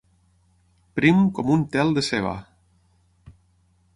Prim com un tel de ceba.